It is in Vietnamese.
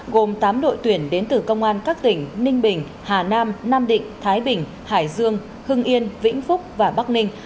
gồm tám đội tuyển đến từ công an các tỉnh ninh bình hà nam nam định thái bình hải dương hưng yên vĩnh phúc và bắc ninh